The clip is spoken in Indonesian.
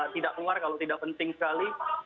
tidak keluar kalau tidak penting sekali